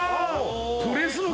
プレスの。